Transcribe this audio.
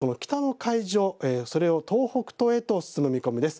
輪島市の北の海上それを東北東へと進む見込みです。